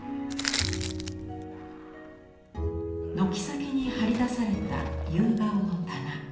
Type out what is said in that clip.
軒先に張り出された夕顔の棚。